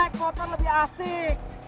naik motor lebih asik